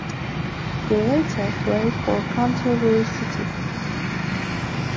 He later played for Canterbury City.